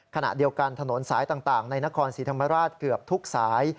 ขณะเดียวกันถนนสายต่างในนครศรีธรรมราชเกือบทุกสาย